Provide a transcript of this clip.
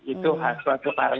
itu asal kemarusan